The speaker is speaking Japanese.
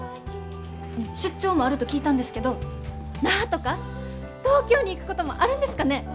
出張もあると聞いたんですけど那覇とか東京に行くこともあるんですかね？